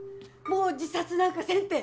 もう自殺なんかせんて。